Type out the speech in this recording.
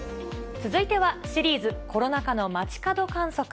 続いてはシリーズ、コロナ禍の街角観測。